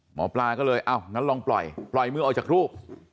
หมอปลาก็เลยอ้าวงั้นลองปล่อยปล่อยมือออกจากรูป